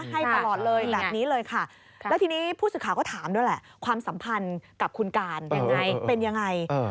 ให้ตลอดเลยแบบนี้เลยค่ะแล้วทีนี้ผู้สื่อข่าวก็ถามด้วยแหละความสัมพันธ์กับคุณการยังไงเป็นยังไง